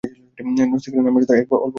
নচিকেতা নামে তাঁহার এক অল্পবয়স্ক পুত্র ছিল।